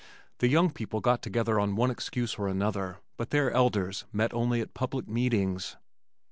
The young people got together on one excuse or another, but their elders met only at public meetings.